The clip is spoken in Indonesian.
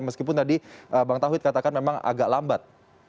meskipun tadi bang tauhid katakan memang agak lambat